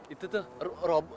itu tuh rob